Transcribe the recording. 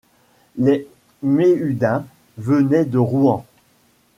Les Méhudin venaient de Rouen.